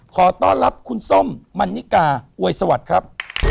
ขอต้อนรับคุณส้มมันนิกาอวยสวัสดีครับ